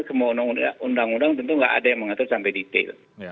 semua undang undang tentu tidak ada yang mengatur sampai detail